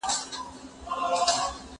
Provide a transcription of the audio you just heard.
زه مخکي لیکل کړي وو!؟